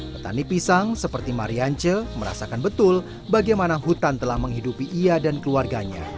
petani pisang seperti mariance merasakan betul bagaimana hutan telah menghidupi ia dan keluarganya